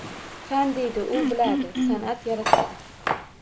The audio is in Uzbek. Fan, deydi u, biladi, san’at — yaratadi.